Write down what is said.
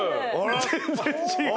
全然違う。